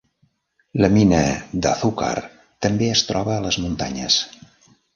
La mina d'Azúcar també es troba a les muntanyes.